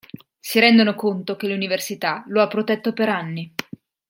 Si rendono conto che l'università lo ha protetto per anni.